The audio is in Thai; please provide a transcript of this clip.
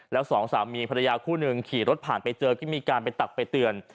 แล้วสองสามีภรรยาคู่หนึ่งขี่รถผ่านไปเจอก็มีการไปตักไปเตือน